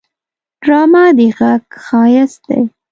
ډرامه د غږ ښايست دی